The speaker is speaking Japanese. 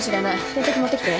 点滴持ってきて。